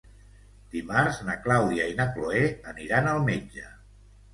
Dimarts na Clàudia i na Cloè aniran al metge.